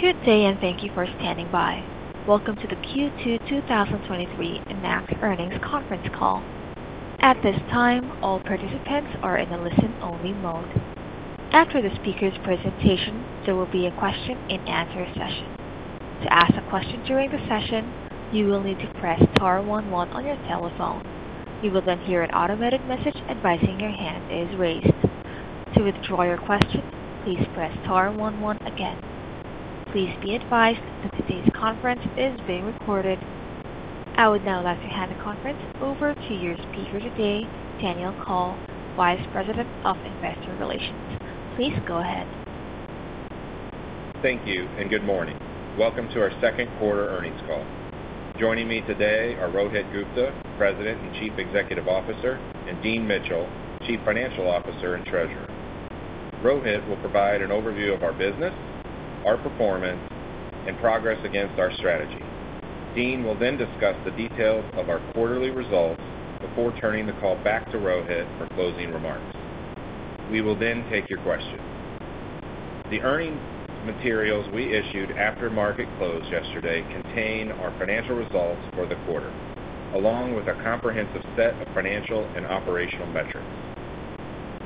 Good day. Thank you for standing by. Welcome to the Q2 2023 Enact Earnings Conference Call. At this time, all participants are in a listen-only mode. After the speaker's presentation, there will be a question-and-answer session. To ask a question during the session, you will need to press star one one on your telephone. You will hear an automatic message advising your hand is raised. To withdraw your question, please press star one one again. Please be advised that today's conference is being recorded. I would now like to hand the conference over to your speaker today, Daniel Kohl, Vice President of Investor Relations. Please go ahead. Thank you and good morning. Welcome to our second quarter earnings call. Joining me today are Rohit Gupta, President and Chief Executive Officer, and Dean Mitchell, Chief Financial Officer and Treasurer. Rohit will provide an overview of our business, our performance, and progress against our strategy. Dean will then discuss the details of our quarterly results before turning the call back to Rohit for closing remarks. We will then take your questions. The earnings materials we issued after market close yesterday contain our financial results for the quarter, along with a comprehensive set of financial and operational metrics.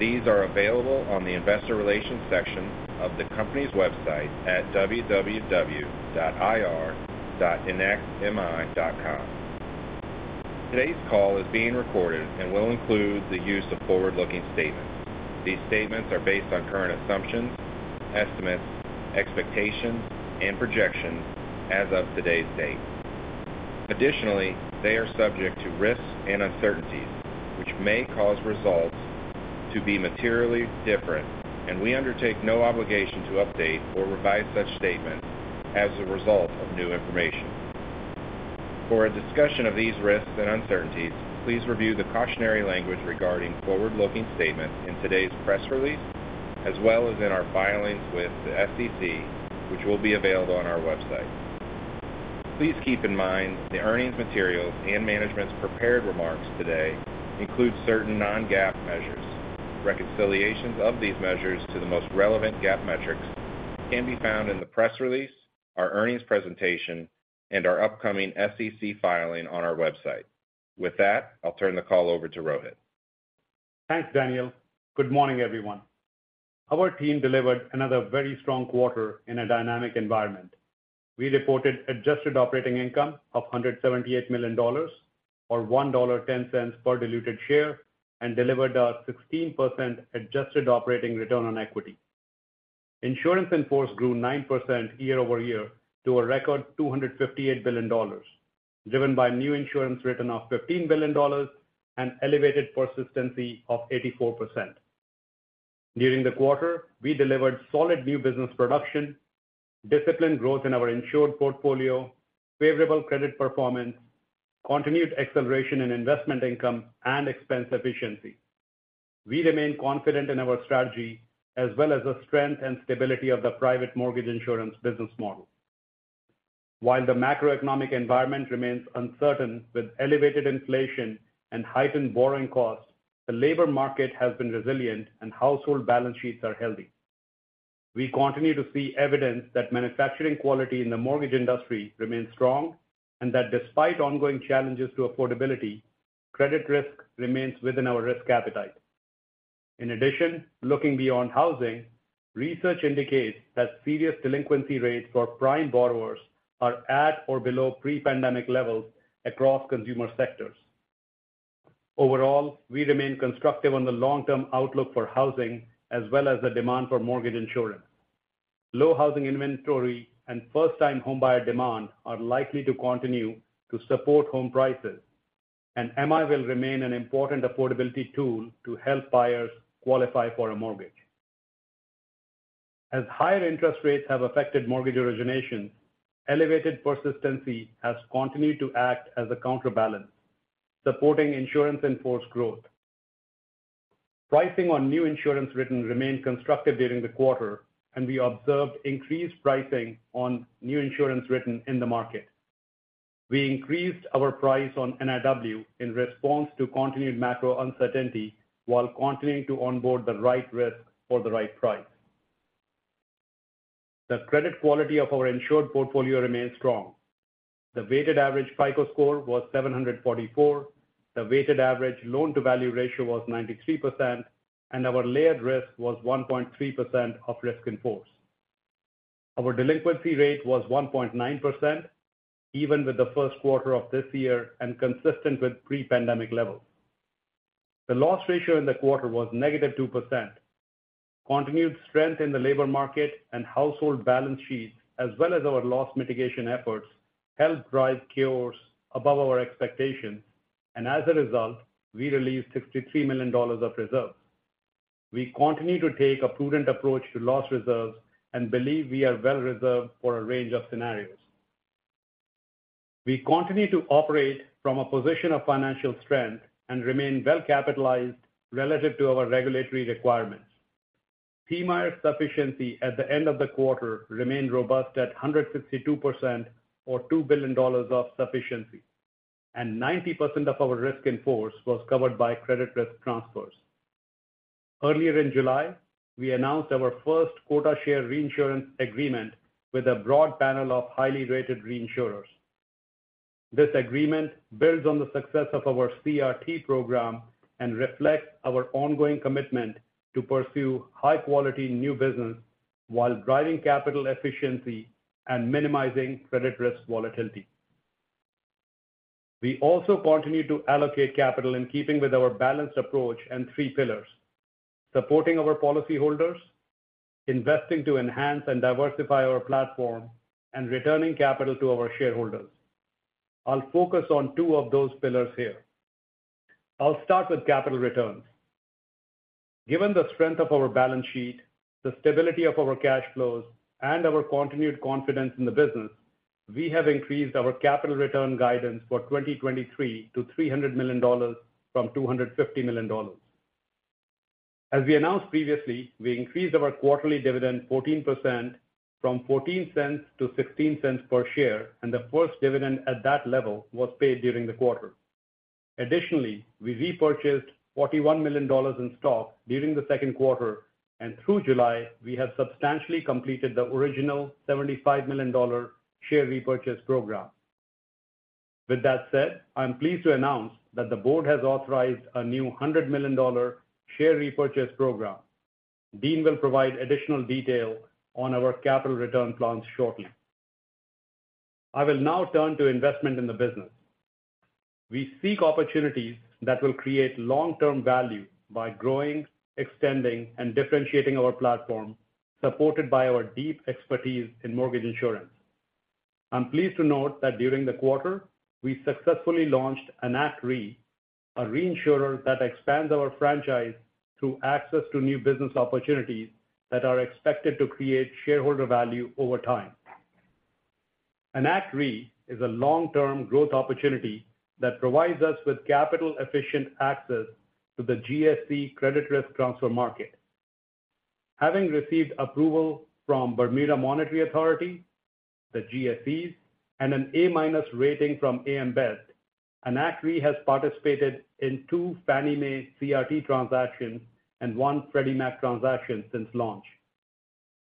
These are available on the investor relations section of the company's website at www.ir.enactmi.com. Today's call is being recorded and will include the use of forward-looking statements. These statements are based on current assumptions, estimates, expectations, and projections as of today's date. Additionally, they are subject to risks and uncertainties, which may cause results to be materially different, and we undertake no obligation to update or revise such statements as a result of new information. For a discussion of these risks and uncertainties, please review the cautionary language regarding forward-looking statements in today's press release, as well as in our filings with the SEC, which will be available on our website. Please keep in mind the earnings materials and management's prepared remarks today include certain non-GAAP measures. Reconciliations of these measures to the most relevant GAAP metrics can be found in the press release, our earnings presentation, and our upcoming SEC filing on our website. With that, I'll turn the call over to Rohit. Thanks, Daniel. Good morning, everyone. Our team delivered another very strong quarter in a dynamic environment. We reported adjusted operating income of $178 million or $1.10 per diluted share, and delivered a 16% adjusted operating return on equity. Insurance in force grew 9% year-over-year to a record $258 billion, driven by new insurance written of $15 billion and elevated persistency of 84%. During the quarter, we delivered solid new business production, disciplined growth in our insured portfolio, favorable credit performance, continued acceleration in investment income, and expense efficiency. We remain confident in our strategy as well as the strength and stability of the private mortgage insurance business model. While the macroeconomic environment remains uncertain with elevated inflation and heightened borrowing costs, the labor market has been resilient and household balance sheets are healthy. We continue to see evidence that manufacturing quality in the mortgage industry remains strong and that despite ongoing challenges to affordability, credit risk remains within our risk appetite. In addition, looking beyond housing, research indicates that serious delinquency rates for prime borrowers are at or below pre-pandemic levels across consumer sectors. Overall, we remain constructive on the long-term outlook for housing as well as the demand for mortgage insurance. Low housing inventory and first-time homebuyer demand are likely to continue to support home prices, MI will remain an important affordability tool to help buyers qualify for a mortgage. As higher interest rates have affected mortgage origination, elevated persistency has continued to act as a counterbalance, supporting insurance and force growth. Pricing on new insurance written remained constructive during the quarter, we observed increased pricing on new insurance written in the market. We increased our price on NIW in response to continued macro uncertainty, while continuing to onboard the right risk for the right price. The credit quality of our insured portfolio remains strong. The weighted average FICO score was 744. The weighted average loan-to-value ratio was 93%, and our layered risk was 1.3% of risk in force. Our delinquency rate was 1.9%, even with the first quarter of this year and consistent with pre-pandemic levels. The loss ratio in the quarter was -2%. Continued strength in the labor market and household balance sheets, as well as our loss mitigation efforts, helped drive cures above our expectations, and as a result, we released $63 million of reserves. We continue to take a prudent approach to loss reserves and believe we are well reserved for a range of scenarios. We continue to operate from a position of financial strength and remain well capitalized relative to our regulatory requirements. PMI sufficiency at the end of the quarter remained robust at 162% or $2 billion of sufficiency, and 90% of our risk in force was covered by credit risk transfers. Earlier in July, we announced our first quota share reinsurance agreement with a broad panel of highly rated reinsurers. This agreement builds on the success of our CRT program and reflects our ongoing commitment to pursue high-quality new business while driving capital efficiency and minimizing credit risk volatility. We also continue to allocate capital in keeping with our balanced approach and three pillars: supporting our policyholders, investing to enhance and diversify our platform, and returning capital to our shareholders. I'll focus on two of those pillars here. I'll start with capital returns. Given the strength of our balance sheet, the stability of our cash flows, and our continued confidence in the business, we have increased our capital return guidance for 2023 to $300 million from $250 million. As we announced previously, we increased our quarterly dividend 14% from $0.14 to $0.16 per share, and the first dividend at that level was paid during the quarter. Additionally, we repurchased $41 million in stock during the second quarter, and through July, we have substantially completed the original $75 million share repurchase program. With that said, I'm pleased to announce that the board has authorized a new $100 million share repurchase program. Dean will provide additional detail on our capital return plans shortly. I will now turn to investment in the business. We seek opportunities that will create long-term value by growing, extending, and differentiating our platform, supported by our deep expertise in mortgage insurance. I'm pleased to note that during the quarter, we successfully launched EnactRe, a reinsurer that expands our franchise through access to new business opportunities that are expected to create shareholder value over time. EnactRe is a long-term growth opportunity that provides us with capital-efficient access to the GSE credit risk transfer market. Having received approval from Bermuda Monetary Authority, the GSEs, and an A-minus rating from AM Best, EnactRe has participated in two Fannie Mae CRT transactions and one Freddie Mac transaction since launch.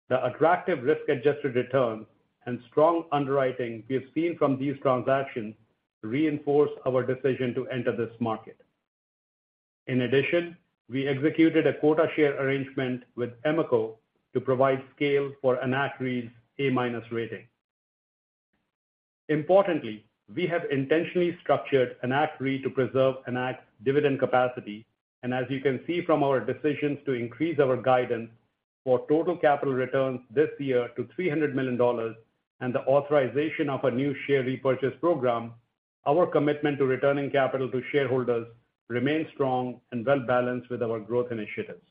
The attractive risk-adjusted return and strong underwriting we have seen from these transactions reinforce our decision to enter this market. In addition, we executed a quota share arrangement with EMICO to provide scale for EnactRe's A-minus rating. Importantly, we have intentionally structured EnactRe to preserve Enact's dividend capacity, and as you can see from our decisions to increase our guidance for total capital returns this year to $300 million and the authorization of a new share repurchase program, our commitment to returning capital to shareholders remains strong and well balanced with our growth initiatives.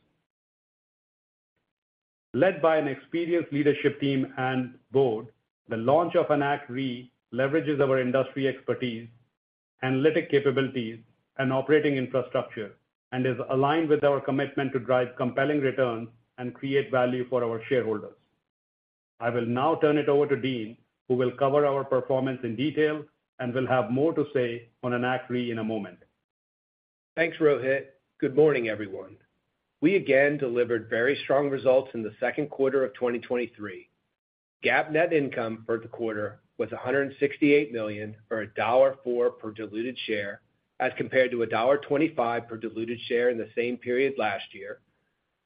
Led by an experienced leadership team and board, the launch of EnactRe leverages our industry expertise, analytic capabilities, and operating infrastructure, and is aligned with our commitment to drive compelling returns and create value for our shareholders. I will now turn it over to Dean, who will cover our performance in detail and will have more to say on EnactRe in a moment. Thanks, Rohit. Good morning, everyone. We again delivered very strong results in the second quarter of 2023. GAAP net income for the quarter was $168 million, or $1.04 per diluted share, as compared to $1.25 per diluted share in the same period last year,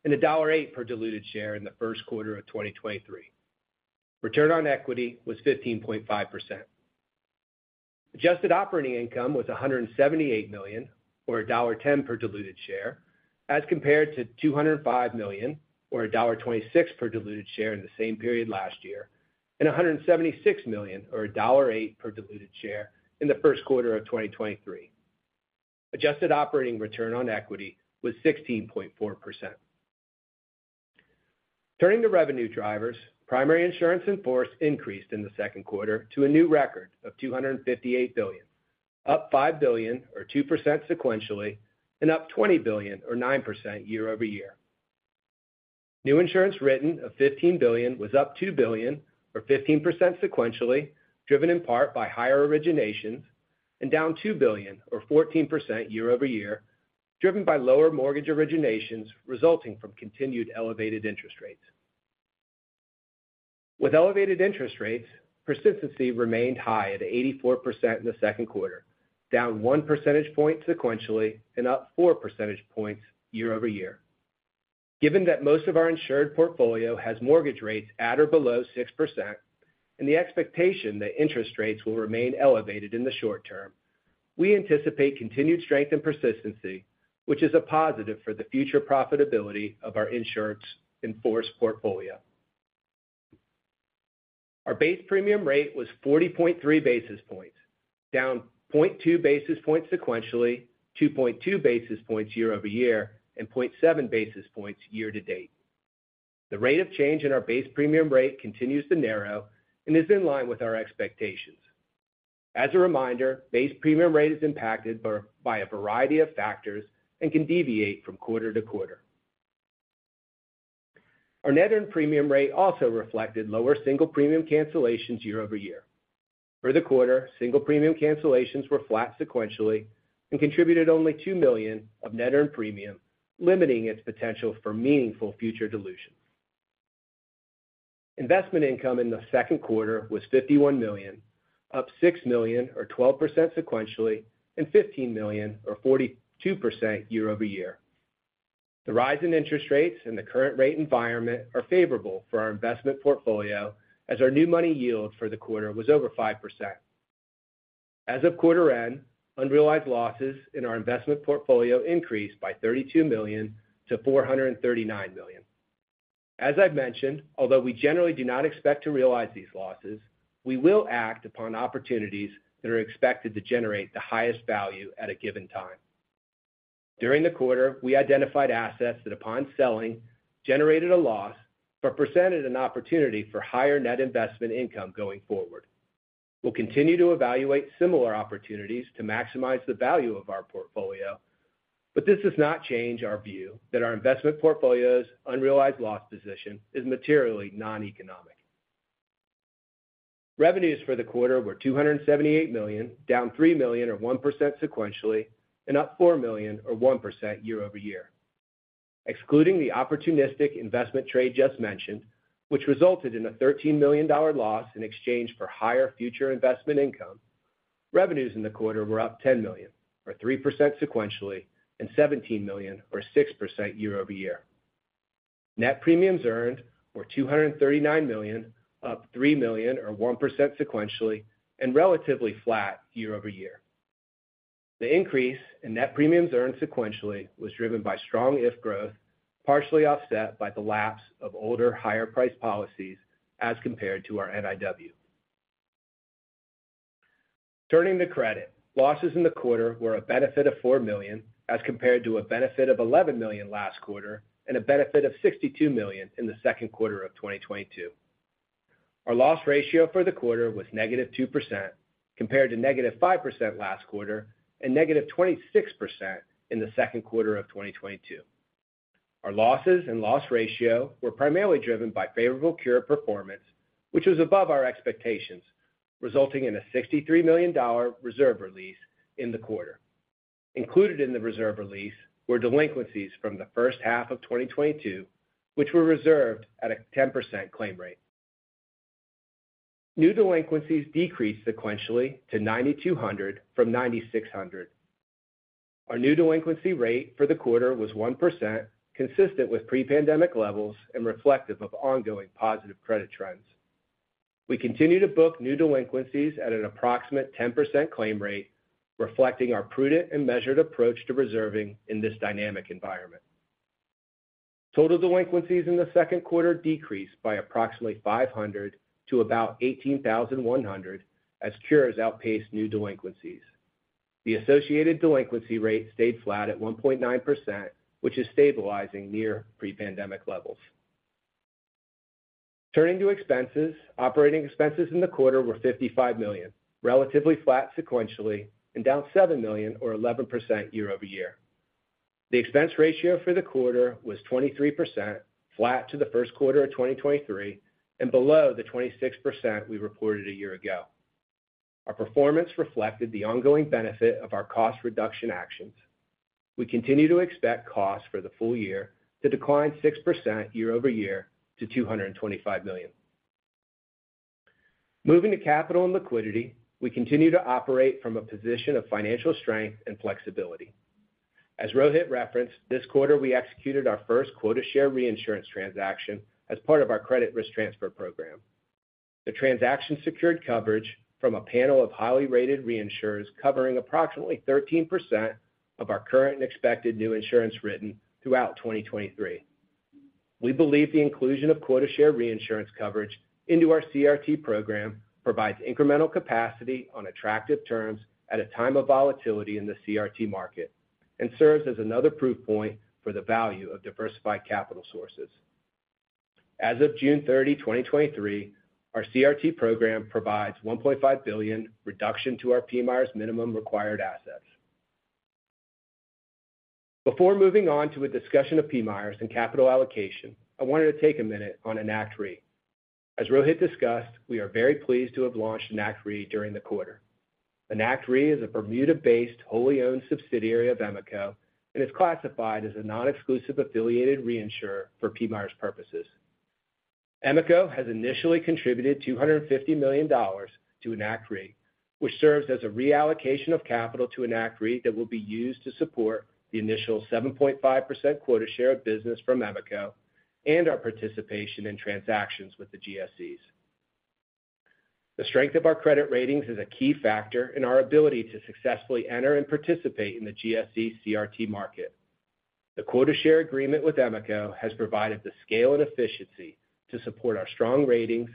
and $1.08 per diluted share in the first quarter of 2023. Return on equity was 15.5%. Adjusted operating income was $178 million, or $1.10 per diluted share, as compared to $205 million or $1.26 per diluted share in the same period last year, and $176 million or $1.08 per diluted share in the first quarter of 2023. Adjusted operating return on equity was 16.4%. Turning to revenue drivers, primary insurance in force increased in the second quarter to a new record of $258 billion, up $5 billion or 2% sequentially, and up $20 billion or 9% year-over-year. New insurance written of $15 billion was up $2 billion, or 15% sequentially, driven in part by higher originations, and down $2 billion or 14% year-over-year, driven by lower mortgage originations resulting from continued elevated interest rates. With elevated interest rates, persistency remained high at 84% in the second quarter, down 1 percentage point sequentially and up 4 percentage points year-over-year. Given that most of our insured portfolio has mortgage rates at or below 6%, and the expectation that interest rates will remain elevated in the short term, we anticipate continued strength and persistency, which is a positive for the future profitability of our insurance in-force portfolio. Our base premium rate was 40.3 basis points, down 0.2 basis points sequentially, 2.2 basis points year-over-year, and 0.7 basis points year-to-date. The rate of change in our base premium rate continues to narrow and is in line with our expectations. As a reminder, base premium rate is impacted by a variety of factors and can deviate from quarter-to-quarter. Our net earned premium rate also reflected lower single premium cancellations year-over-year. For the quarter, single premium cancellations were flat sequentially and contributed only $2 million of net earned premium, limiting its potential for meaningful future dilution. Investment income in the second quarter was $51 million, up $6 million or 12% sequentially, and $15 million or 42% year-over-year. The rise in interest rates and the current rate environment are favorable for our investment portfolio, as our new money yield for the quarter was over 5%. As of quarter end, unrealized losses in our investment portfolio increased by $32 million to 439 million. As I've mentioned, although we generally do not expect to realize these losses, we will act upon opportunities that are expected to generate the highest value at a given time. During the quarter, we identified assets that, upon selling, generated a loss, but presented an opportunity for higher net investment income going forward. We'll continue to evaluate similar opportunities to maximize the value of our portfolio, but this does not change our view that our investment portfolio's unrealized loss position is materially noneconomic. Revenues for the quarter were $278 million, down $3 million or 1% sequentially, and up $4 million or 1% year-over-year. Excluding the opportunistic investment trade just mentioned, which resulted in a $13 million loss in exchange for higher future investment income, revenues in the quarter were up $10 million, or 3% sequentially, and $17 million, or 6% year-over-year. Net premiums earned were $239 million, up $3 million, or 1% sequentially, and relatively flat year-over-year. The increase in net premiums earned sequentially was driven by strong If growth, partially offset by the lapse of older, higher-priced policies as compared to our NIW. Turning to credit. Losses in the quarter were a benefit of $4 million, as compared to a benefit of $11 million last quarter, and a benefit of $62 million in the second quarter of 2022. Our loss ratio for the quarter was -2%, compared to -5% last quarter, and -26% in the second quarter of 2022. Our losses and loss ratio were primarily driven by favorable cure performance, which was above our expectations, resulting in a $63 million reserve release in the quarter. Included in the reserve release were delinquencies from the first half of 2022, which were reserved at a 10% claim rate. New delinquencies decreased sequentially to 9,200 from 9,600. Our new delinquency rate for the quarter was 1%, consistent with pre-pandemic levels and reflective of ongoing positive credit trends. We continue to book new delinquencies at an approximate 10% claim rate, reflecting our prudent and measured approach to reserving in this dynamic environment. Total delinquencies in the second quarter decreased by approximately 500 to about 18,100 as cures outpaced new delinquencies. The associated delinquency rate stayed flat at 1.9%, which is stabilizing near pre-pandemic levels. Turning to expenses. Operating expenses in the quarter were $55 million, relatively flat sequentially, and down $7 million or 11% year-over-year. The expense ratio for the quarter was 23%, flat to the first quarter of 2023, and below the 26% we reported a year ago. Our performance reflected the ongoing benefit of our cost reduction actions. We continue to expect costs for the full year to decline 6% year-over-year to $225 million. Moving to capital and liquidity, we continue to operate from a position of financial strength and flexibility. As Rohit referenced, this quarter, we executed our first quota share reinsurance transaction as part of our credit risk transfer program. The transaction secured coverage from a panel of highly rated reinsurers, covering approximately 13% of our current and expected new insurance written throughout 2023. We believe the inclusion of quota share reinsurance coverage into our CRT program provides incremental capacity on attractive terms at a time of volatility in the CRT market and serves as another proof point for the value of diversified capital sources. As of June 30, 2023, our CRT program provides $1.5 billion reduction to our PMIERs minimum required assets. Before moving on to a discussion of PMIERs and capital allocation, I wanted to take a minute on EnactRe. As Rohit discussed, we are very pleased to have launched EnactRe during the quarter. EnactRe is a Bermuda-based, wholly owned subsidiary of Enact Mortgage Insurance Corporation and is classified as a non-exclusive affiliated reinsurer for PMIERs purposes. Enact Mortgage Insurance Corporation has initially contributed $250 million to EnactRe, which serves as a reallocation of capital to EnactRe that will be used to support the initial 7.5% quota share of business from Enact Mortgage Insurance Corporation and our participation in transactions with the GSEs. The strength of our credit ratings is a key factor in our ability to successfully enter and participate in the GSE CRT market. The quota share agreement with EnactRe has provided the scale and efficiency to support our strong ratings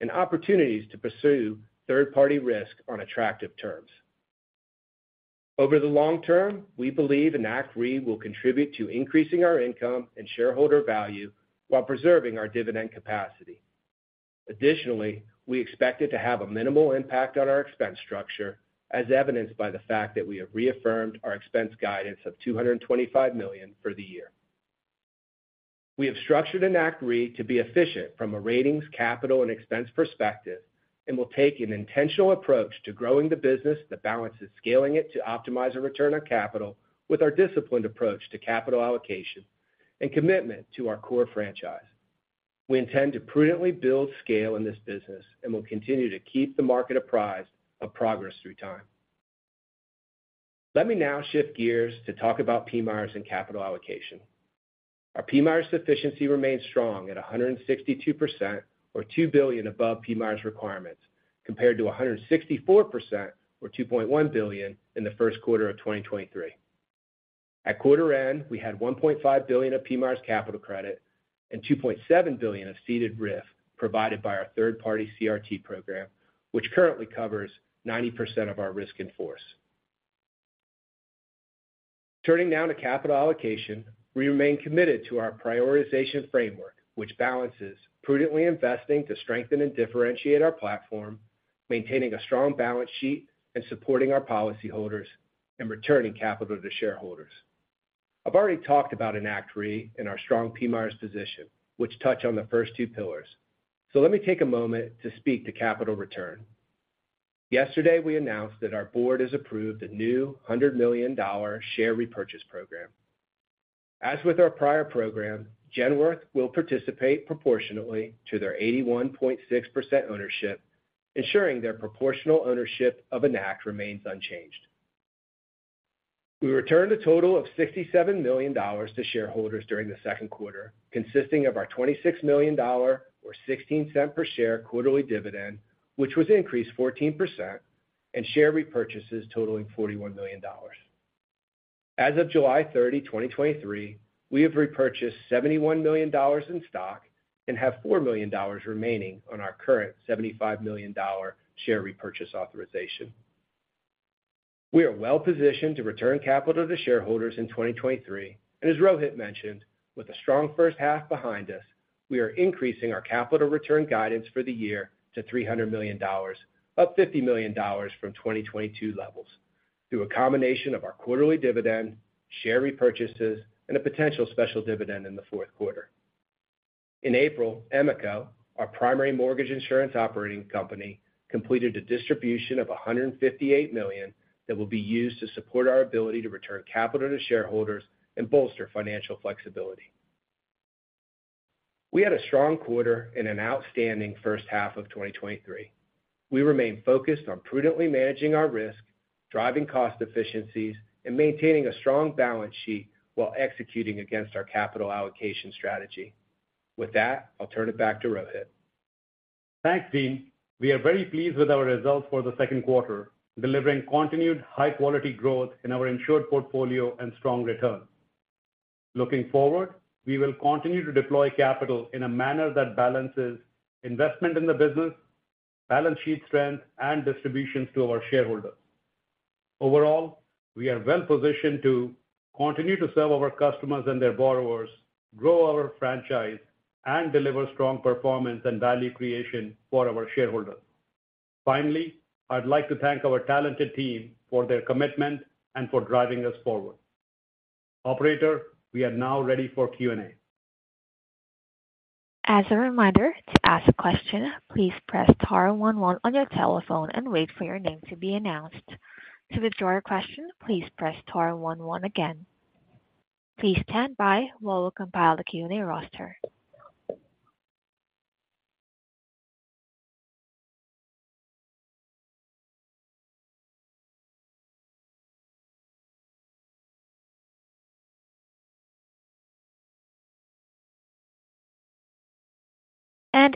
and opportunities to pursue third-party risk on attractive terms. Over the long term, we believe EnactRe will contribute to increasing our income and shareholder value while preserving our dividend capacity. Additionally, we expect it to have a minimal impact on our expense structure, as evidenced by the fact that we have reaffirmed our expense guidance of $225 million for the year. We have structured EnactRe to be efficient from a ratings, capital, and expense perspective, and will take an intentional approach to growing the business that balances scaling it to optimize a return on capital, with our disciplined approach to capital allocation and commitment to our core franchise. We intend to prudently build scale in this business and will continue to keep the market apprised of progress through time. Let me now shift gears to talk about PMIERs and capital allocation. Our PMIERs sufficiency remains strong at 162%, or $2 billion above PMIERs requirements, compared to 164%, or $2.1 billion, in the first quarter of 2023. At quarter end, we had $1.5 billion of PMIERs capital credit and $2.7 billion of ceded RIF provided by our third-party CRT program, which currently covers 90% of our risk in force. Turning now to capital allocation. We remain committed to our prioritization framework, which balances prudently investing to strengthen and differentiate our platform, maintaining a strong balance sheet and supporting our policyholders, and returning capital to shareholders. I've already talked about EnactRe and our strong PMIERs position, which touch on the first two pillars. Let me take a moment to speak to capital return. Yesterday, we announced that our board has approved a new $100 million share repurchase program. As with our prior program, Genworth will participate proportionately to their 81.6% ownership, ensuring their proportional ownership of Enact remains unchanged. We returned a total of $67 million to shareholders during the second quarter, consisting of our $26 million, or $0.16 per share, quarterly dividend, which was increased 14%, and share repurchases totaling $41 million. As of July 30, 2023, we have repurchased $71 million in stock and have $4 million remaining on our current $75 million share repurchase authorization. We are well positioned to return capital to shareholders in 2023, and as Rohit mentioned, with a strong first half behind us, we are increasing our capital return guidance for the year to $300 million, up $50 million from 2022 levels, through a combination of our quarterly dividend, share repurchases, and a potential special dividend in the fourth quarter. In April, EMICO, our primary mortgage insurance operating company, completed a distribution of $158 million that will be used to support our ability to return capital to shareholders and bolster financial flexibility. We had a strong quarter and an outstanding first half of 2023. We remain focused on prudently managing our risk, driving cost efficiencies, and maintaining a strong balance sheet while executing against our capital allocation strategy. With that, I'll turn it back to Rohit. Thanks, Dean. We are very pleased with our results for the second quarter, delivering continued high-quality growth in our insured portfolio and strong returns. Looking forward, we will continue to deploy capital in a manner that balances investment in the business, balance sheet strength, and distributions to our shareholders. Overall, we are well positioned to continue to serve our customers and their borrowers, grow our franchise, and deliver strong performance and value creation for our shareholders. Finally, I'd like to thank our talented team for their commitment and for driving us forward. Operator, we are now ready for Q&A. As a reminder, to ask a question, please press star one one on your telephone and wait for your name to be announced. To withdraw your question, please press star one one again. Please stand by while we compile the Q&A roster.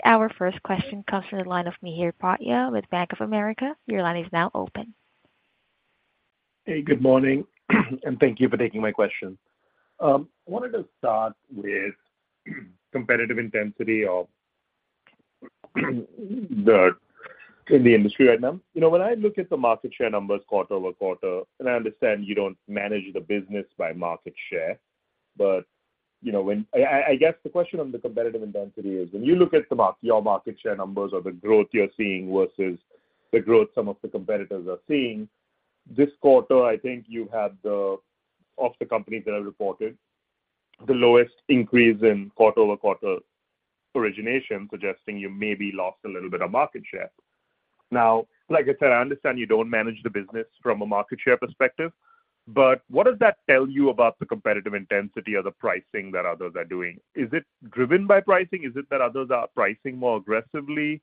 Our first question comes from the line of Mihir Bhatia with Bank of America. Your line is now open. Hey, good morning, and thank you for taking my question. I wanted to start with competitive intensity in the industry right now. You know, when I look at the market share numbers quarter-over-quarter, and I understand you don't manage the business by market share, but, you know, when I guess the question on the competitive intensity is, when you look at your market share numbers or the growth you're seeing versus the growth some of the competitors are seeing, this quarter, I think you had of the companies that have reported, the lowest increase in quarter-over-quarter origination, suggesting you maybe lost a little bit of market share. Now, like I said, I understand you don't manage the business from a market share perspective, but what does that tell you about the competitive intensity or the pricing that others are doing? Is it driven by pricing? Is it that others are pricing more aggressively?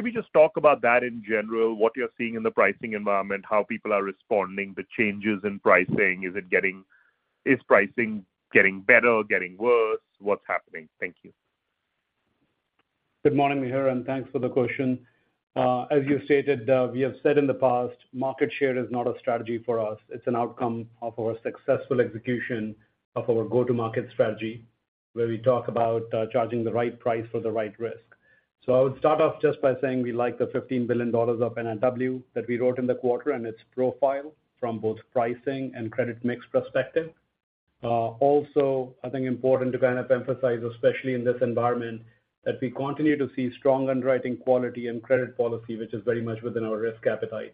Maybe just talk about that in general, what you're seeing in the pricing environment, how people are responding to changes in pricing. Is pricing getting better, getting worse? What's happening? Thank you. Good morning, Mihir, and thanks for the question. As you stated, we have said in the past, market share is not a strategy for us. It's an outcome of our successful execution of our go-to-market strategy, where we talk about charging the right price for the right risk. I would start off just by saying we like the $15 billion of NIW that we wrote in the quarter and its profile from both pricing and credit mix perspective. Also, I think important to kind of emphasize, especially in this environment, that we continue to see strong underwriting quality and credit policy, which is very much within our risk appetite.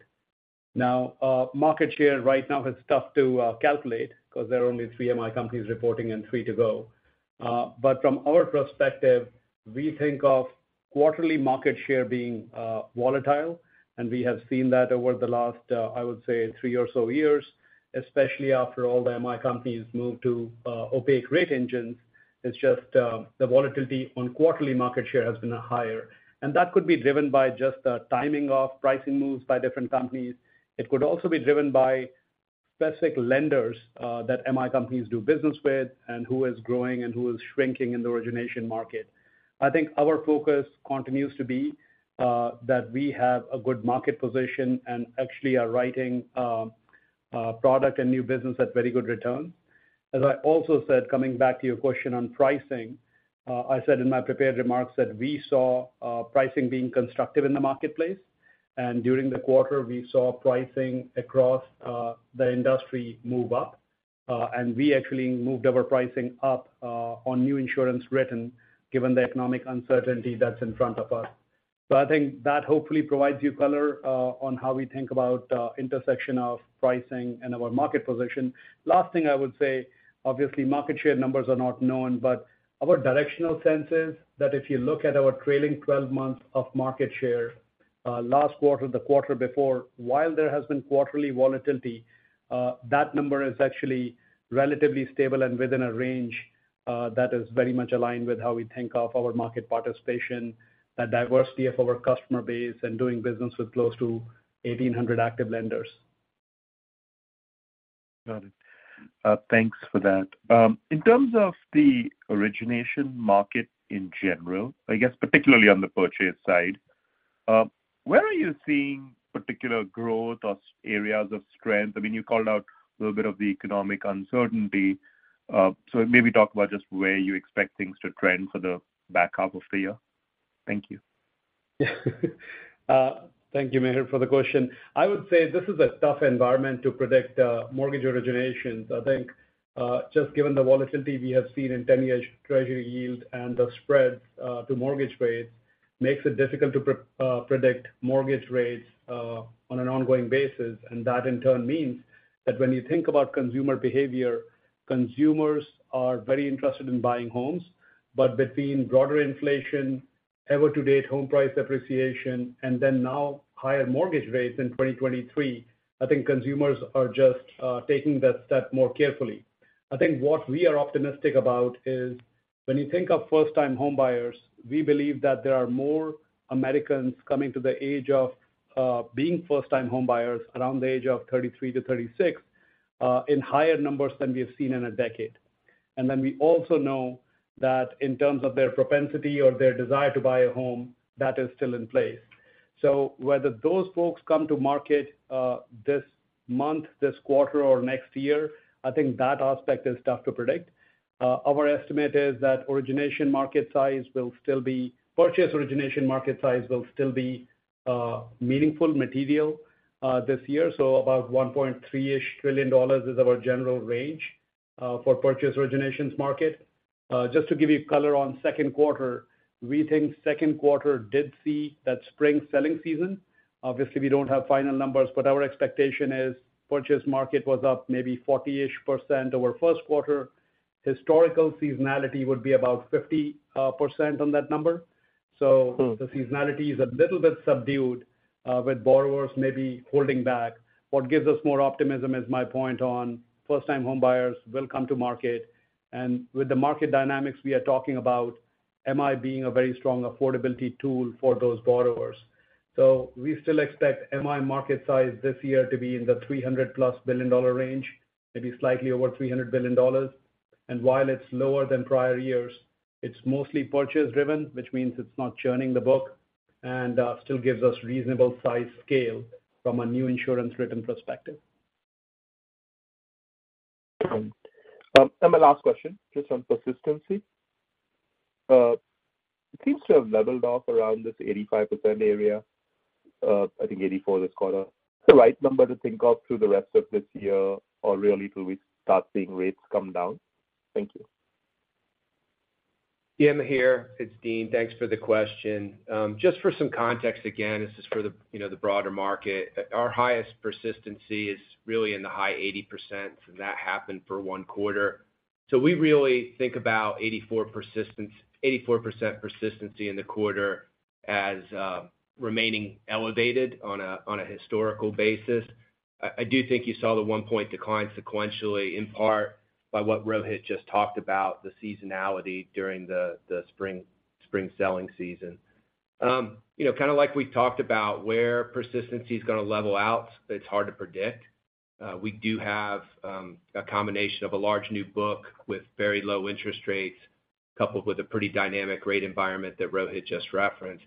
Now, market share right now is tough to calculate because there are only three MI companies reporting and three to go. From our perspective, we think of quarterly market share being volatile, and we have seen that over the last 3 or so years, especially after all the MI companies moved to opaque rate engines. It's just, the volatility on quarterly market share has been higher. That could be driven by just the timing of pricing moves by different companies. It could also be driven by specific lenders that MI companies do business with and who is growing and who is shrinking in the origination market. I think our focus continues to be that we have a good market position and actually are writing product and new business at very good return. As I also said, coming back to your question on pricing, I said in my prepared remarks that we saw pricing being constructive in the marketplace. During the quarter, we saw pricing across the industry move up. We actually moved our pricing up on new insurance written, given the economic uncertainty that's in front of us. I think that hopefully provides you color on how we think about intersection of pricing and our market position. Last thing I would say, obviously, market share numbers are not known. Our directional sense is that if you look at our trailing 12 months of market share, last quarter, the quarter before, while there has been quarterly volatility, that number is actually relatively stable and within a range, that is very much aligned with how we think of our market participation, the diversity of our customer base, and doing business with close to 1,800 active lenders. Got it. Thanks for that. In terms of the origination market in general, I guess, particularly on the purchase side, where are you seeing particular growth or areas of strength? I mean, you called out a little bit of the economic uncertainty. Maybe talk about just where you expect things to trend for the back half of the year. Thank you. Thank you, Mihir, for the question. I would say this is a tough environment to predict mortgage originations. I think just given the volatility we have seen in 10-year treasury yield and the spreads to mortgage rates, makes it difficult to predict mortgage rates on an ongoing basis. That, in turn, means that when you think about consumer behavior, consumers are very interested in buying homes. Between broader inflation, ever-to-date home price appreciation, and then now higher mortgage rates in 2023, I think consumers are just taking that step more carefully. I think what we are optimistic about is when you think of first-time homebuyers, we believe that there are more Americans coming to the age of being first-time homebuyers around the age of 33 to 36 in higher numbers than we have seen in a decade. Then we also know that in terms of their propensity or their desire to buy a home, that is still in place. Whether those folks come to market, this month, this quarter, or next year, I think that aspect is tough to predict. Our estimate is that origination market size will still be, purchase origination market size will still be meaningful material this year. About $1.3 trillion-ish is our general range for purchase originations market. Just to give you color on second quarter, we think second quarter did see that spring selling season. Obviously, we don't have final numbers, but our expectation is purchase market was up maybe 40%-ish over first quarter. Historical seasonality would be about 50% on that number. Mm-hmm. The seasonality is a little bit subdued, with borrowers maybe holding back. What gives us more optimism is my point on first-time homebuyers will come to market, and with the market dynamics we are talking about, MI being a very strong affordability tool for those borrowers. We still expect MI market size this year to be in the $300+ billion range, maybe slightly over $300 billion. While it's lower than prior years, it's mostly purchase driven, which means it's not churning the book and still gives us reasonable size scale from a new insurance written perspective. My last question, just on persistency. It seems to have leveled off around this 85% area, I think 84% this quarter. The right number to think of through the rest of this year or really till we start seeing rates come down? Thank you. Yeah, Mihir, it's Dean. Thanks for the question. Just for some context, again, this is for the, you know, the broader market. Our highest persistency is really in the high 80%, and that happened for one quarter. We really think about 84% persistency in the quarter as remaining elevated on a historical basis. I, I do think you saw the one point decline sequentially, in part by what Rohit just talked about, the seasonality during the spring, spring selling season. You know, kind of like we talked about where persistency is gonna level out, it's hard to predict. We do have a combination of a large new book with very low interest rates, coupled with a pretty dynamic rate environment that Rohit just referenced.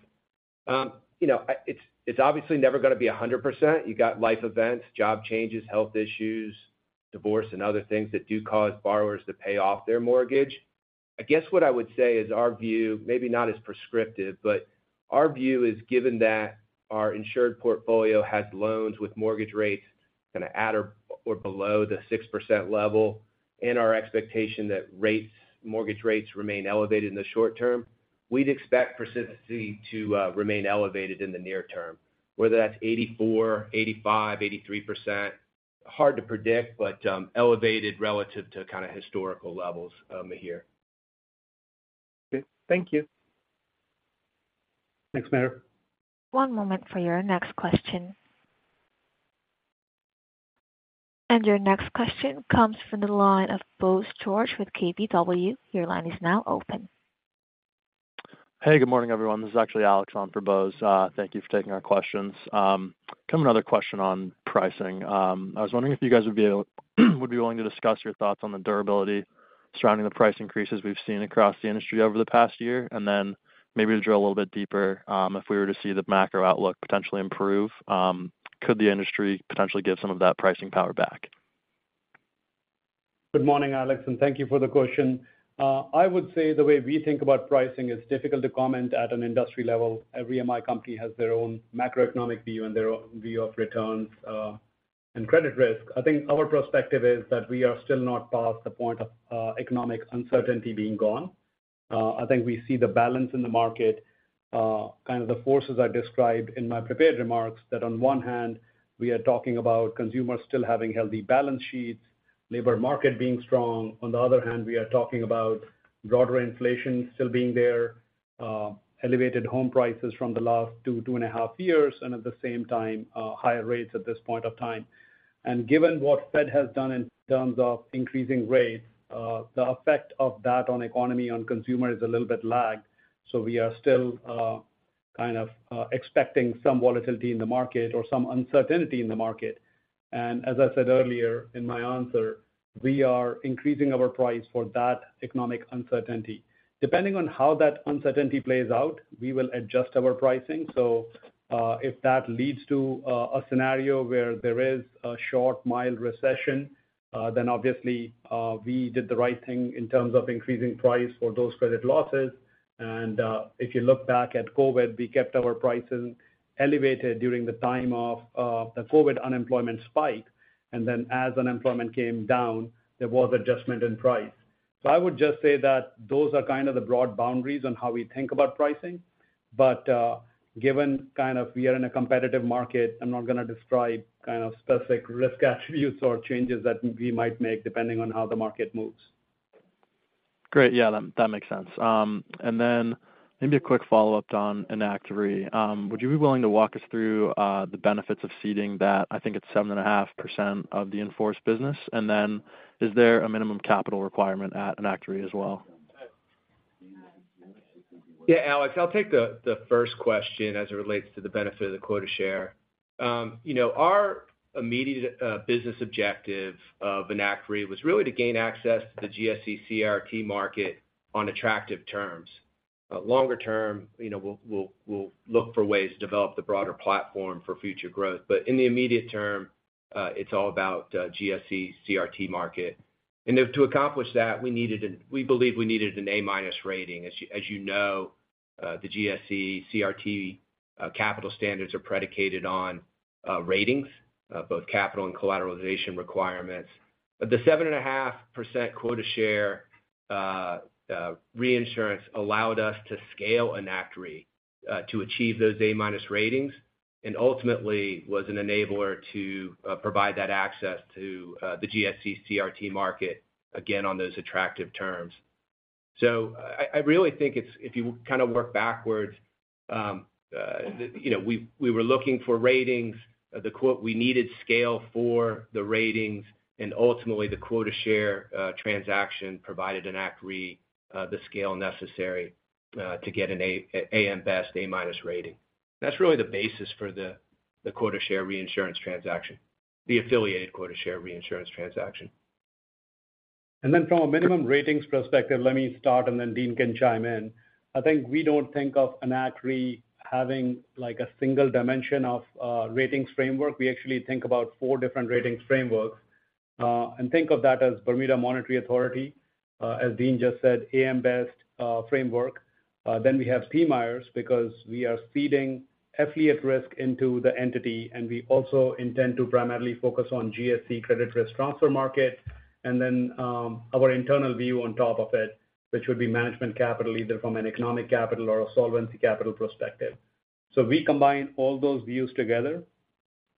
You know, it's, it's obviously never gonna be 100%. You got life events, job changes, health issues, divorce, and other things that do cause borrowers to pay off their mortgage. I guess what I would say is our view, maybe not as prescriptive, but our view is, given that our insured portfolio has loans with mortgage rates kind of at or below the 6% level, and our expectation that rates, mortgage rates remain elevated in the short term, we'd expect persistency to remain elevated in the near term, whether that's 84%, 85%, 83%, hard to predict, but elevated relative to kind of historical levels here. Okay. Thank you. Thanks, Mihir. One moment for your next question. Your next question comes from the line of Bose George with KBW. Your line is now open. Hey, good morning, everyone. This is actually Alex on for Bose. Thank you for taking our questions. Kind of another question on pricing. I was wondering if you guys would be willing to discuss your thoughts on the durability surrounding the price increases we've seen across the industry over the past year? Then maybe to drill a little bit deeper, if we were to see the macro outlook potentially improve, could the industry potentially get some of that pricing power back? Good morning, Alex, thank you for the question. I would say the way we think about pricing is difficult to comment at an industry level. Every MI company has their own macroeconomic view and their own view of returns and credit risk. I think our perspective is that we are still not past the point of economic uncertainty being gone. I think we see the balance in the market, kind of the forces I described in my prepared remarks, that on one hand, we are talking about consumers still having healthy balance sheets, labor market being strong. On the other hand, we are talking about broader inflation still being there, elevated home prices from the last two, 2.5 years, and at the same time, higher rates at this point of time. Given what Fed has done in terms of increasing rates, the effect of that on economy, on consumer, is a little bit lagged. We are still, kind of, expecting some volatility in the market or some uncertainty in the market. As I said earlier in my answer, we are increasing our price for that economic uncertainty. Depending on how that uncertainty plays out, we will adjust our pricing. If that leads to a scenario where there is a short, mild recession, then obviously, we did the right thing in terms of increasing price for those credit losses. If you look back at COVID, we kept our prices elevated during the time of the COVID unemployment spike, and then as unemployment came down, there was adjustment in price. I would just say that those are kind of the broad boundaries on how we think about pricing. But, given kind of we are in a competitive market, I'm not going to describe kind of specific risk attributes or changes that we might make, depending on how the market moves. Great. Yeah, that, that makes sense. Then maybe a quick follow-up on EnactRe. Would you be willing to walk us through the benefits of ceding that, I think it's 7.5% of the in-force business? Then, is there a minimum capital requirement at EnactRe as well? Yeah, Alex, I'll take the, the first question as it relates to the benefit of the quota share. You know, our immediate business objective of EnactRe was really to gain access to the GSE CRT market on attractive terms. Longer term, you know, we'll, we'll, we'll look for ways to develop the broader platform for future growth. In the immediate term, it's all about GSE CRT market. To accomplish that, We believe we needed an A-minus rating. As you, as you know, the GSE CRT, capital standards are predicated on ratings, both capital and collateralization requirements. The 7.5% quota share reinsurance allowed us to scale EnactRe to achieve those A-minus ratings, and ultimately was an enabler to provide that access to the GSE CRT market, again, on those attractive terms. I, I really think it's, if you kind of work backwards, you know, we, we were looking for ratings. We needed scale for the ratings, and ultimately, the quota share transaction provided EnactRe the scale necessary to get an AM Best A-minus rating. That's really the basis for the quota share reinsurance transaction, the affiliated quota share reinsurance transaction. From a minimum ratings perspective, let me start and then Dean can chime in. I think we don't think of EnactRe having like, a single dimension of ratings framework. We actually think about four different ratings frameworks. Think of that as Bermuda Monetary Authority, as Dean just said, AM Best framework. Then we have PMIERs, because we are feeding affiliate risk into the entity, and we also intend to primarily focus on GSE credit risk transfer market. Then, our internal view on top of it, which would be management capital, either from an economic capital or a solvency capital perspective. We combine all those views together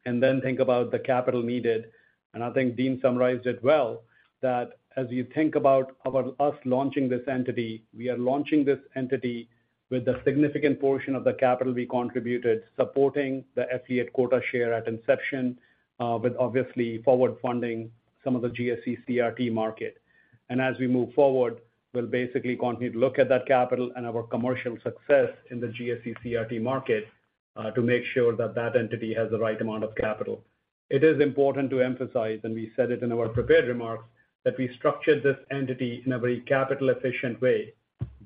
and then think about the capital needed. I think Dean summarized it well, that as you think about, about us launching this entity, we are launching this entity with a significant portion of the capital we contributed, supporting the affiliate quota share at inception, but obviously, forward-funding some of the GSE CRT market. As we move forward, we'll basically continue to look at that capital and our commercial success in the GSE CRT market, to make sure that that entity has the right amount of capital. It is important to emphasize, and we said it in our prepared remarks, that we structured this entity in a very capital efficient way,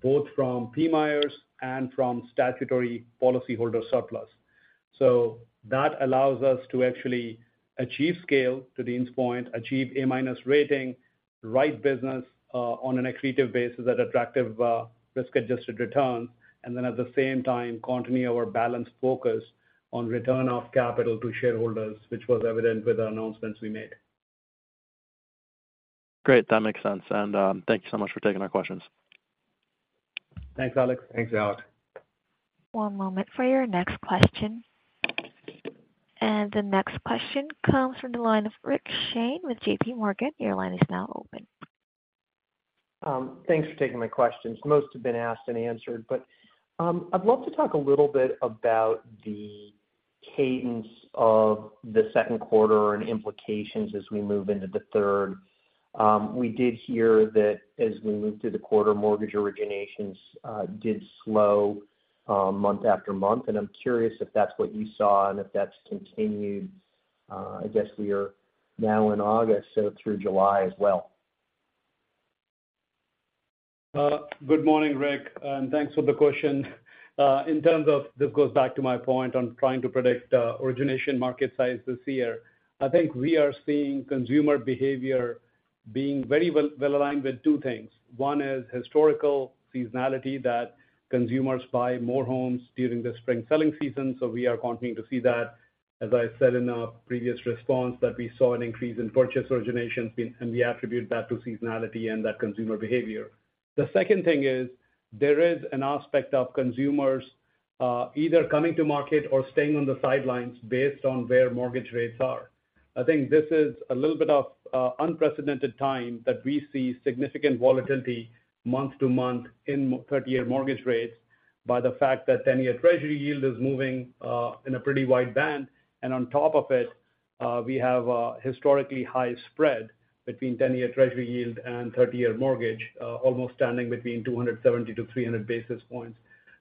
both from PMIERs and from statutory policyholder surplus. That allows us to actually achieve scale, to Dean's point, achieve A-minus rating, the right business, on an accretive basis at attractive, risk-adjusted return, and then at the same time continue our balanced focus on return of capital to shareholders, which was evident with the announcements we made. Great, that makes sense. Thank you so much for taking our questions. Thanks, Alex. Thanks, Alex. One moment for your next question. The next question comes from the line of Rick Shane with JPMorgan. Your line is now open. Thanks for taking my questions. Most have been asked and answered, but, I'd love to talk a little bit about the cadence of the second quarter and implications as we move into the third. We did hear that as we moved through the quarter, mortgage originations did slow month after month, and I'm curious if that's what you saw and if that's continued. I guess we are now in August, so through July as well. Good morning, Rick, thanks for the question. This goes back to my point on trying to predict origination market size this year. I think we are seeing consumer behavior being very well, well aligned with two things. One is historical seasonality, that consumers buy more homes during the spring selling season, we are continuing to see that. As I said in a previous response, that we saw an increase in purchase originations, we attribute that to seasonality and that consumer behavior. The second thing is there is an aspect of consumers either coming to market or staying on the sidelines based on where mortgage rates are. I think this is a little bit of an unprecedented time that we see significant volatility month-to-month in 30-year mortgage rates by the fact that 10-year Treasury yield is moving in a pretty wide band. On top of it, we have a historically high spread between 10-year Treasury yield and 30-year mortgage, almost standing between 270-300 basis points.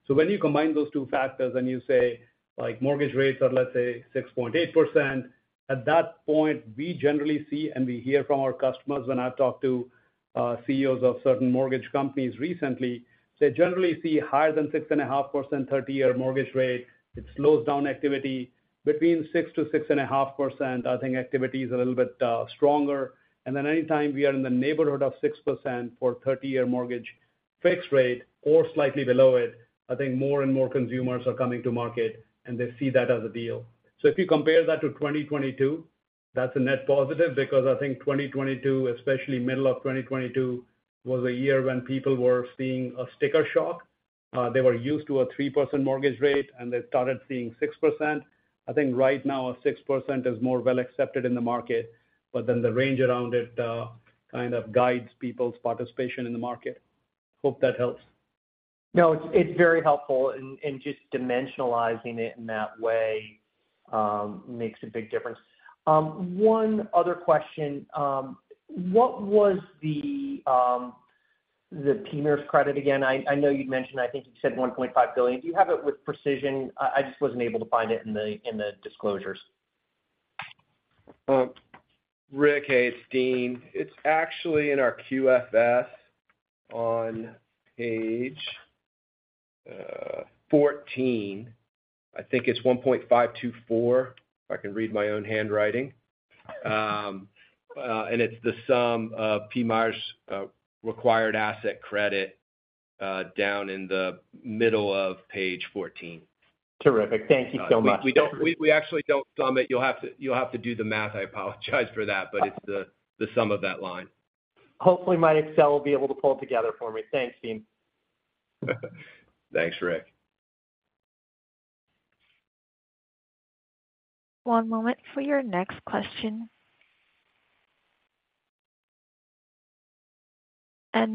When you combine those two factors and you say, like, mortgage rates are, let's say, 6.8%, at that point, we generally see and we hear from our customers when I've talked to CEOs of certain mortgage companies recently, they generally see higher than 6.5% 30-year mortgage rate. It slows down activity. Between 6%-6.5%, I think activity is a little bit stronger. Anytime we are in the neighborhood of 6% for a 30-year mortgage fixed rate or slightly below it, I think more and more consumers are coming to market, and they see that as a deal. If you compare that to 2022, that's a net positive because I think 2022, especially middle of 2022, was a year when people were seeing a sticker shock. They were used to a 3% mortgage rate, and they started seeing 6%. I think right now, a 6% is more well accepted in the market, but the range around it, kind of guides people's participation in the market. Hope that helps. No, it's, it's very helpful and, and just dimensionalizing it in that way, makes a big difference. One other question. What was the PMIERs credit again? I, I know you'd mentioned, I think you said $1.5 billion. Do you have it with precision? I just wasn't able to find it in the disclosures. Rick, hey, it's Dean. It's actually in our QFS on page 14. I think it's 1.524, if I can read my own handwriting. It's the sum of PMIERs required asset credit down in the middle of page 14. Terrific. Thank you so much. We don't... We actually don't sum it. You'll have to do the math. I apologize for that, but it's the sum of that line. Hopefully, my Excel will be able to pull it together for me. Thanks, Dean. Thanks, Rick. One moment for your next question.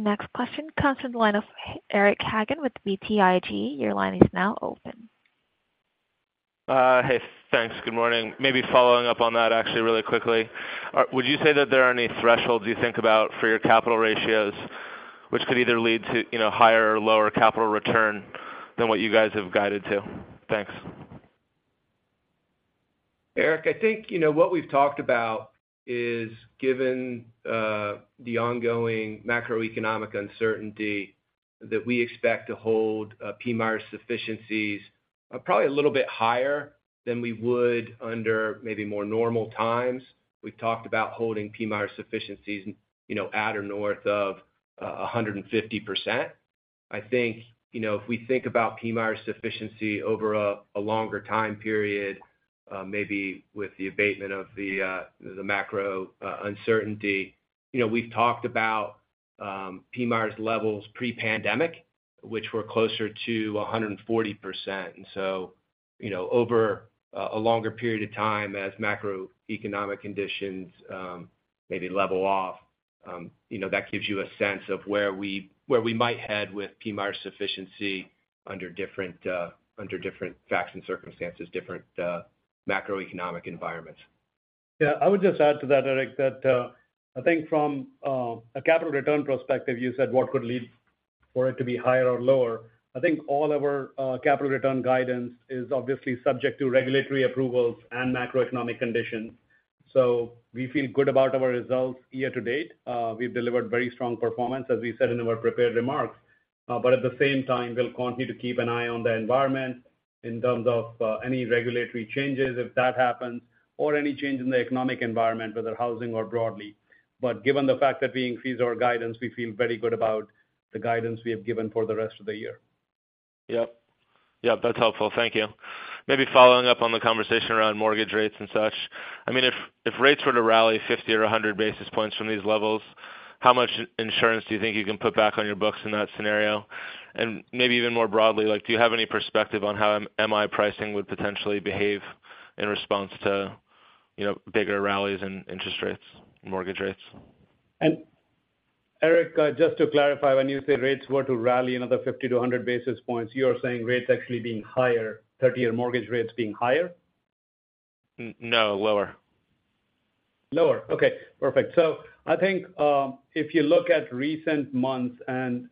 Next question comes from the line of Eric Hagen with BTIG. Your line is now open. Hey, thanks. Good morning. Maybe following up on that actually really quickly. Would you say that there are any thresholds you think about for your capital ratios, which could either lead to, you know, higher or lower capital return than what you guys have guided to? Thanks. Eric, I think, you know, what we've talked about is, given, the ongoing macroeconomic uncertainty, that we expect to hold, PMIER sufficiency's, probably a little bit higher than we would under maybe more normal times. We've talked about holding PMIER sufficiency, you know, at or north of, 150%. I think, you know, if we think about PMIER sufficiency over a longer time period, maybe with the abatement of the, the macro uncertainty, you know, we've talked about, PMIERs levels pre-pandemic, which were closer to 140%. You know, over a longer period of time as macroeconomic conditions, maybe level off, you know, that gives you a sense of where we, where we might head with PMIER sufficiency under different, under different facts and circumstances, different, macroeconomic environments. Yeah, I would just add to that, Eric, that, I think from, a capital return perspective, you said what could lead for it to be higher or lower. I think all our, capital return guidance is obviously subject to regulatory approvals and macroeconomic conditions. We feel good about our results year to date. We've delivered very strong performance, as we said in our prepared remarks. At the same time, we'll continue to keep an eye on the environment in terms of, any regulatory changes, if that happens, or any change in the economic environment, whether housing or broadly. Given the fact that we increased our guidance, we feel very good about the guidance we have given for the rest of the year. Yep. Yep, that's helpful. Thank you. Maybe following up on the conversation around mortgage rates and such, I mean, if, if rates were to rally 50 or 100 basis points from these levels, how much insurance do you think you can put back on your books in that scenario? Maybe even more broadly, like, do you have any perspective on how MI pricing would potentially behave in response to, you know, bigger rallies in interest rates, mortgage rates? Eric, just to clarify, when you say rates were to rally another 50 to 100 basis points, you are saying rates actually being higher, 30-year mortgage rates being higher? No, lower. Lower. Okay, perfect. I think, if you look at recent months and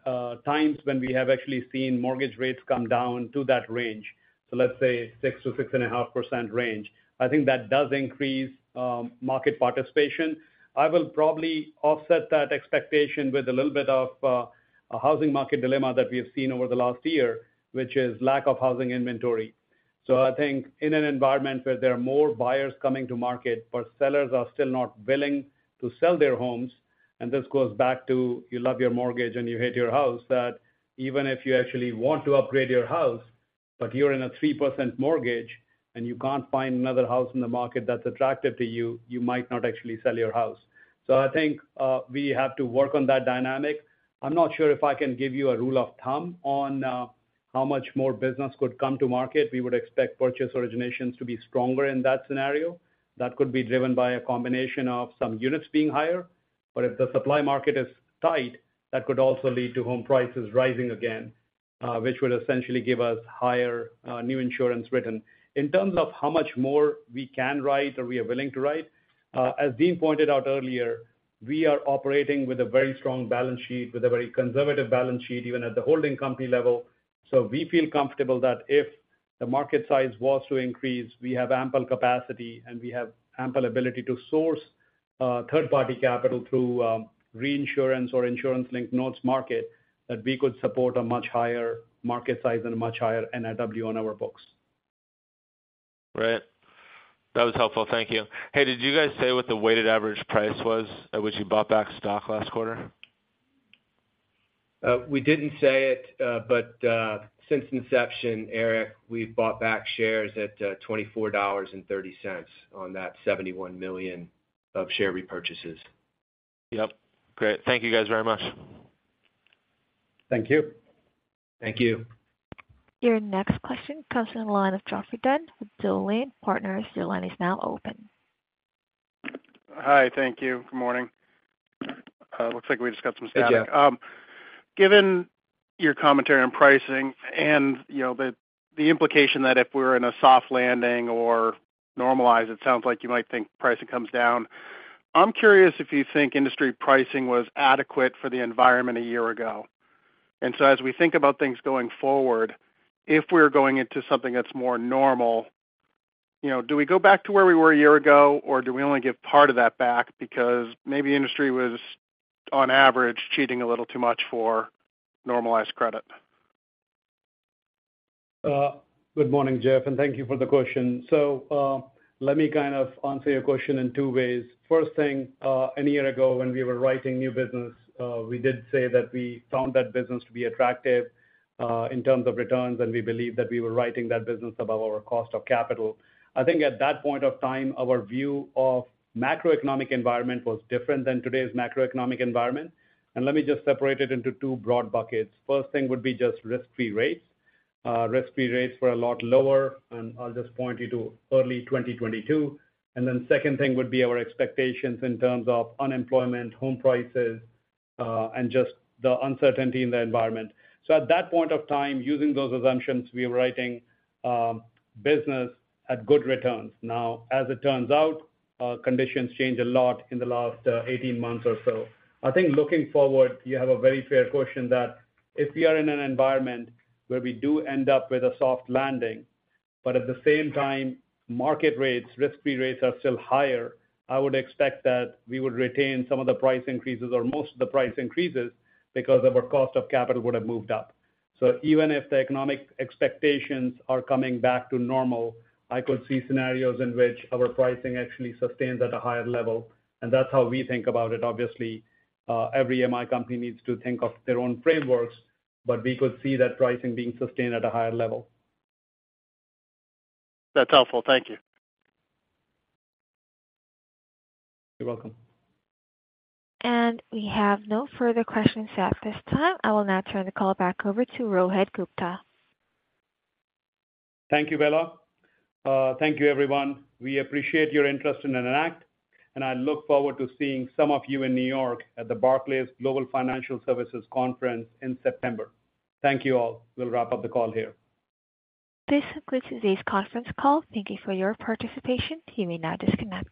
times when we have actually seen mortgage rates come down to that range, let's say 6%-6.5% range, I think that does increase market participation. I will probably offset that expectation with a little bit of a housing market dilemma that we have seen over the last year, which is lack of housing inventory. I think in an environment where there are more buyers coming to market, but sellers are still not willing to sell their homes, and this goes back to you love your mortgage and you hate your house, that even if you actually want to upgrade your house, but you're in a 3% mortgage and you can't find another house in the market that's attractive to you, you might not actually sell your house. I think we have to work on that dynamic. I'm not sure if I can give you a rule of thumb on how much more business could come to market. We would expect purchase originations to be stronger in that scenario. That could be driven by a combination of some units being higher, if the supply market is tight, that could also lead to home prices rising again, which would essentially give us higher, new insurance written. In terms of how much more we can write or we are willing to write, as Dean pointed out earlier, we are operating with a very strong balance sheet, with a very conservative balance sheet, even at the holding company level. We feel comfortable that if the market size was to increase, we have ample capacity, and we have ample ability to source third-party capital through reinsurance or insurance-linked notes market, that we could support a much higher market size and a much higher NIW on our books. Right. That was helpful. Thank you. Hey, did you guys say what the weighted average price was at which you bought back stock last quarter? We didn't say it, but since inception, Eric, we've bought back shares at $24.30 on that $71 million of share repurchases. Yep. Great. Thank you, guys, very much. Thank you. Thank you. Your next question comes from the line of Geoffrey Dunn, Dowling & Partners. Your line is now open. Hi. Thank you. Good morning. looks like we just got some static. Hey, Geoff. Given your commentary on pricing and, you know, the, the implication that if we're in a soft landing or normalize, it sounds like you might think pricing comes down. I'm curious if you think industry pricing was adequate for the environment one year ago. As we think about things going forward, if we're going into something that's more normal, you know, do we go back to where we were one year ago, or do we only give part of that back? Because maybe industry was, on average, cheating a little too much for normalized credit. Good morning, Geoff, and thank you for the question. Let me kind of answer your question in two ways. First thing, a year ago, when we were writing new business, we did say that we found that business to be attractive, in terms of returns, and we believe that we were writing that business above our cost of capital. I think at that point of time, our view of macroeconomic environment was different than today's macroeconomic environment. Let me just separate it into two broad buckets. First thing would be just risk-free rates. Risk-free rates were a lot lower, and I'll just point you to early 2022. Then second thing would be our expectations in terms of unemployment, home prices, and just the uncertainty in the environment. At that point of time, using those assumptions, we were writing business at good returns. Now, as it turns out, conditions changed a lot in the last 18 months or so. I think looking forward, you have a very fair question that if we are in an environment where we do end up with a soft landing, but at the same time, market rates, risk-free rates are still higher, I would expect that we would retain some of the price increases or most of the price increases because of our cost of capital would have moved up. Even if the economic expectations are coming back to normal, I could see scenarios in which our pricing actually sustains at a higher level, and that's how we think about it. Obviously, every MI company needs to think of their own frameworks, but we could see that pricing being sustained at a higher level. That's helpful. Thank you. You're welcome. We have no further questions at this time. I will now turn the call back over to Rohit Gupta. Thank you, Bella. Thank you, everyone. We appreciate your interest in Enact. I look forward to seeing some of you in New York at the Barclays Global Financial Services Conference in September. Thank you, all. We'll wrap up the call here. This concludes today's conference call. Thank you for your participation. You may now disconnect.